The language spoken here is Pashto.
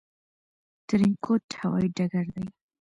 ترينکوټ هوايي ډګر دى